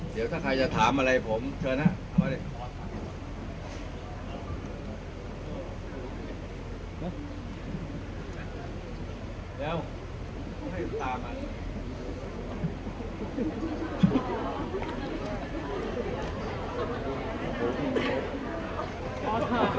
เดี๋ยวถ้าใครจะถามอะไรผมเชิญนะเอาไว้ดิ